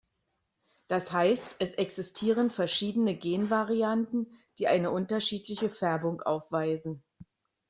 Das heißt, es existieren verschiedene Genvarianten die eine unterschiedliche Färbung aufweisen.